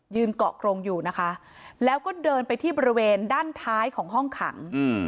เกาะกรงอยู่นะคะแล้วก็เดินไปที่บริเวณด้านท้ายของห้องขัง